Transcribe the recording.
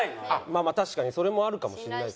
まあまあ確かにそれもあるかもしれないですけど。